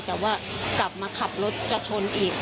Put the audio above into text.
แต่ว่ากลับมาขับรถจะชนอีก